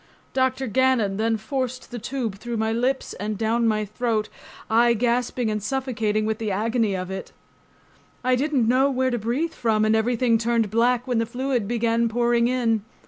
Dr. Gannon then forced the tube through my lips and down my throat, I gasping and suffocating with the agony of it. I didn't know where to breathe from and everything turned black when the fluid began pouring in.